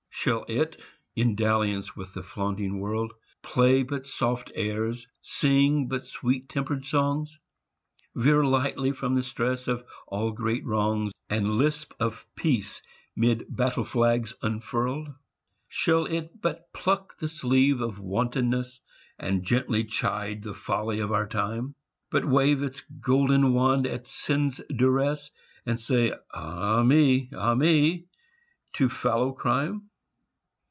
Shall it, in dalliance with the flaunting world, Play but soft airs, sing but sweet tempered songs? Veer lightly from the stress of all great wrongs, And lisp of peace 'mid battle flags unfurled? Shall it but pluck the sleeve of wantonness, And gently chide the folly of our time? But wave its golden wand at sin's duress, And say, "Ah me! ah me!" to fallow crime?